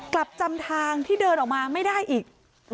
กลับจำทางที่เดินออกมาไม่ได้อีก